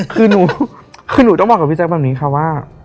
คือหนูคือหนูต้องบอกกับพี่แจ๊คแบบนี้ค่ะว่า